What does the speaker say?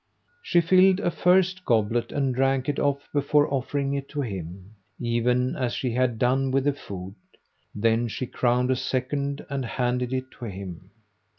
She filled a first goblet and drank it off before offering it to him, even as she had done with the food: then she crowned a second and handed it to him.